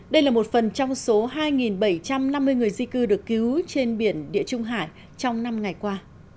đây là một phần trong số hai bảy trăm năm mươi người di cư được cứu trên biển địa trung hải trong năm ngày qua